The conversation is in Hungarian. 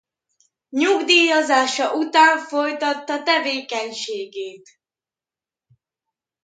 Nyugdíjazása után folytatta tevékenységét.